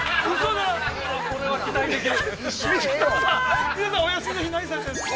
◆これは期待できる。